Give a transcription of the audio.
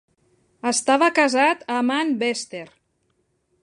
Estava casat amb Anne Vester.